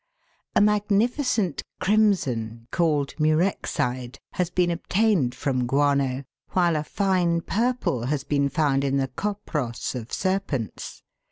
A magnificent crimson, called murexide, has been obtained from guano, while a fine purple has been found in the copros COPROLITE BEDS. 255 of serpents.